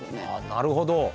なるほど。